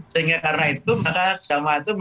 sehingga karena itu maka jamaah itu